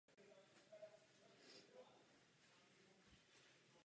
Profesně uvádí jako pracovník Hospodářské komory České republiky.